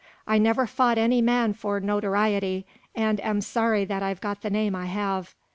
I never fought any man for notoriety, and am sorry that I've got the name I have.